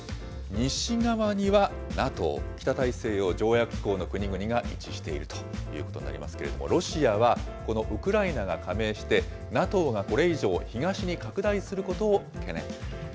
西側には、ＮＡＴＯ・北大西洋条約機構の国々が位置しているということになりますけれども、ロシアはこのウクライナが加盟して、ＮＡＴＯがこれ以上、東に拡大することを懸念。